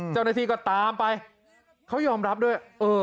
เจ้าหน้าที่ก็ตามไปเขายอมรับด้วย